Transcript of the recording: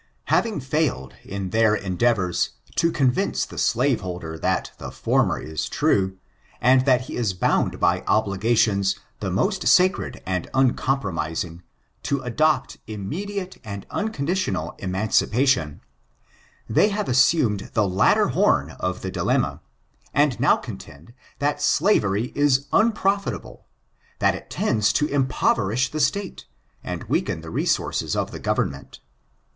Having failed in their endeavors to convince the slaveholder that the former is true, and that he is bound by obligations the most sacred and uncom promising, to adopt inmiediate and unconditional ^0^^<^0^^^ I ON ABOunoinsM. 466 emancipation^ thej have assumed the latter horn of the dilemma, and now contend that slavery is unprofitabUy that it tends to impoverish the State, and weaken the resources of the Government.